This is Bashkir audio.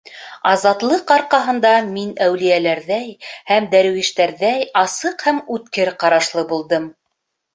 Азатлыҡ арҡаһында мин әүлиәләрҙәй һәм дәрүиштәрҙәй асыҡ һәм үткер ҡарашлы булдым.